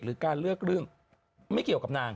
การเลือกเรื่องไม่เกี่ยวกับนาง